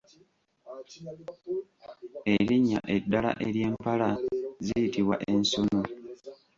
Erinnya eddala ery'empala ziyitibwa ensunu.